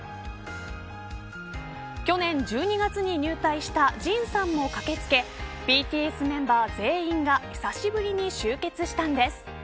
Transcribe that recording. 去年１２月に入隊したＪＩＮさんも駆け付けＢＴＳメンバー全員が久しぶりに集結したんです。